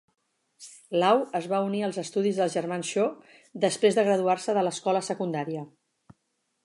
Lau es va unir als estudis dels Germans Shaw després de graduar-se de l'escola secundària.